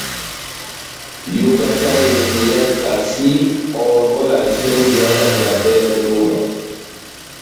Yokaka enyɛngɛ yá ikasi, ó ovɛ olasɛ ó njeyá ya Njambɛ ó lóba.